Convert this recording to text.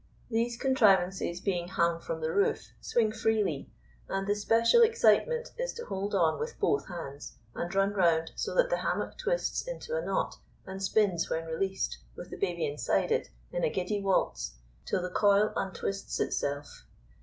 These contrivances being hung from the roof swing freely, and the special excitement is to hold on with both hands, and run round so that the hammock twists into a knot and spins when released, with the baby inside it, in a giddy waltz till the coil untwists itself.